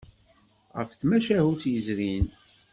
Ɣef tmacahut yezrin.